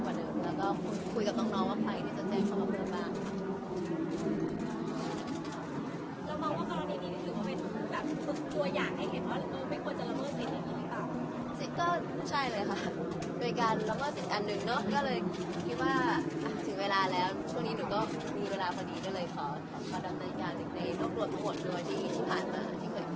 ต้องรู้สร้างเมื่อวันต้องรู้สร้างเมื่อวันต้องรู้สร้างเมื่อวันต้องรู้สร้างเมื่อวันต้องรู้สร้างเมื่อวันต้องรู้สร้างเมื่อวันต้องรู้สร้างเมื่อวันต้องรู้สร้างเมื่อวันต้องรู้สร้างเมื่อวันต้องรู้สร้างเมื่อวันต้องรู้สร้างเมื่อวันต้องรู้สร้างเมื่อวันต้องรู้สร้างเมื่อวัน